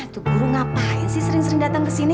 tuh guru ngapain sih sering sering datang kesini